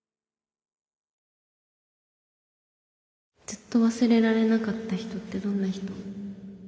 ずっと忘れられなかった人ってどんな人？